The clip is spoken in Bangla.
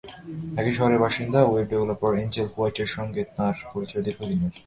একই শহরের বাসিন্দা, ওয়েব ডেভেলপার এঞ্জেল হোয়াইটের সঙ্গে তাঁর পরিচয় দীর্ঘদিনের।